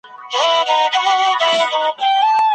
ګاونډیان دي؟ آیا د هيواد د نوم په بدلولو سره به